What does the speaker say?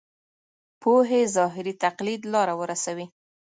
پوهې ظاهري تقلید لاره ورسوي.